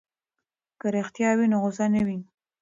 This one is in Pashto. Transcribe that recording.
که رښتیا وي نو غوسه نه وي.